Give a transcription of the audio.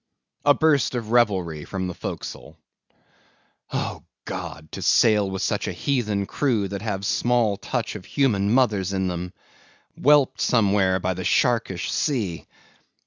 [A burst of revelry from the forecastle.] Oh, God! to sail with such a heathen crew that have small touch of human mothers in them! Whelped somewhere by the sharkish sea.